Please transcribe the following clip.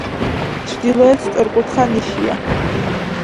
ჩრდილოეთით სწორკუთხა ნიშია.